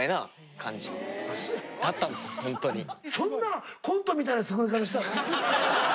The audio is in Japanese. そんなコントみたいな作り方したの？